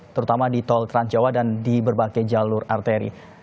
terutama di tol transjawa dan di berbagai jalur arteri